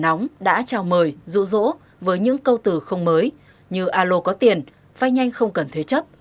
các đối tượng đã chào mời rũ rỗ với những câu từ không mới như alo có tiền vay nhanh không cần thuế chấp